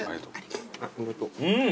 うん！